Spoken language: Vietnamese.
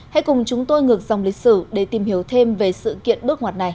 hãy cùng chúng tôi ngược dòng lịch sử để tìm hiểu thêm về sự kiện bước ngoặt này